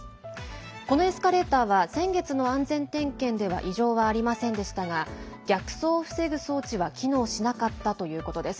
このエスカレーターは先月の安全点検では異常はありませんでしたが逆走を防ぐ装置は機能しなかったということです。